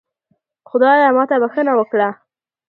خدایا ماته بښنه وکړه